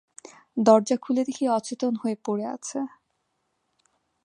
দরজা খুলে দেখি অচেতন হয়ে পড়ে আছে।